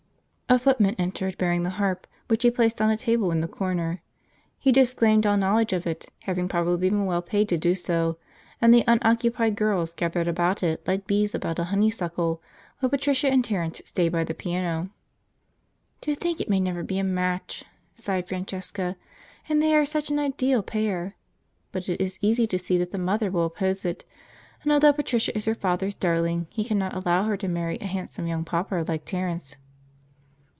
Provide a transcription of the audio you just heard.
A footman entered, bearing the harp, which he placed on a table in the corner. He disclaimed all knowledge of it, having probably been well paid to do so, and the unoccupied girls gathered about it like bees about a honeysuckle, while Patricia and Terence stayed by the piano. "To think it may never be a match!" sighed Francesca, "and they are such an ideal pair! But it is easy to see that the mother will oppose it, and although Patricia is her father's darling, he cannot allow her to marry a handsome young pauper like Terence."